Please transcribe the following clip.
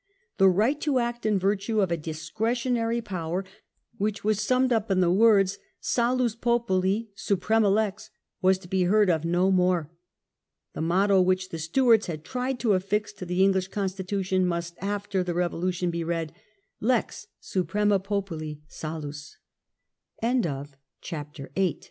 The right to act in virtue of a " discretionary " power, which was summed up in the words Salus populi suprema lex, was to be heard of no more. The motto which the Stewarts had tried to affix to the English constitution must, after the Revolution, be read